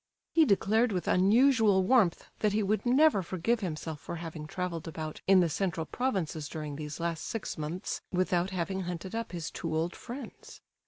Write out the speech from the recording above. He declared with unusual warmth that he would never forgive himself for having travelled about in the central provinces during these last six months without having hunted up his two old friends.